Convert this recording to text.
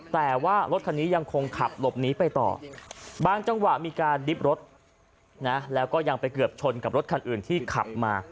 แต่ว่ารถคันนี้ยังคงขับหลบหนีไปต่อบางจังหวะมีการดิบรถนะแล้วก็ยังไปเกือบชนกับรถคันอื่นที่ขับมา